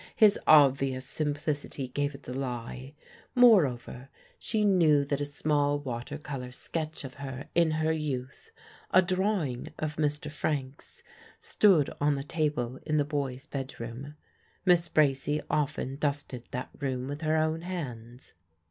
His obvious simplicity gave it the lie. Moreover she knew that a small water colour sketch of her in her youth a drawing of Mr. Frank's stood on the table in the boy's bedroom. Miss Bracy often dusted that room with her own hands.